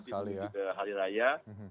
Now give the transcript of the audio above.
apalagi nanti ke hari raya